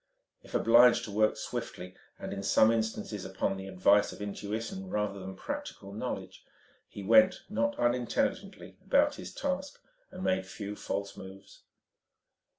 If obliged to work swiftly and in some instances upon the advice of intuition rather than practical knowledge, he went not unintelligently about his task, made few false moves.